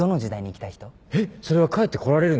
えっそれは帰ってこられるんですか？